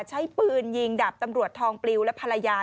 ใช้ปืนยิงดาบตำรวจทองปลิวและภรรยา